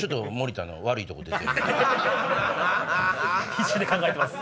必死で考えてます